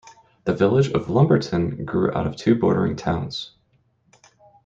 The village of Lumberton grew out of two bordering towns.